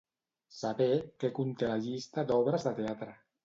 Saber què conté la llista d'obres de teatre.